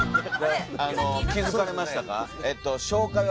あの気付かれましたか？